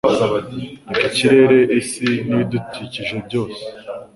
Reba ikirere isi n'ibidukikije byose